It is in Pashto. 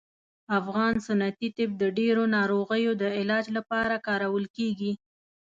افغان سنتي طب د ډیرو ناروغیو د علاج لپاره کارول کیږي